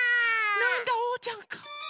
なんだおうちゃんか。